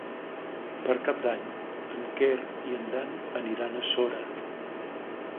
Per Cap d'Any en Quer i en Dan aniran a Sora.